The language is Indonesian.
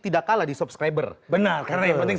tidak kalah di subscriber benar karena yang penting